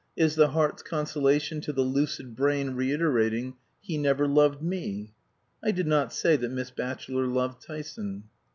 is the heart's consolation to the lucid brain reiterating "He never loved me!" I did not say that Miss Batchelor loved Tyson.